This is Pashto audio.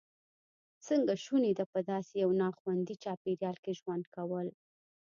څنګه شونې ده په داسې یو ناخوندي چاپېریال کې ژوند کول.